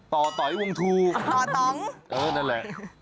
เออนั่นแหละ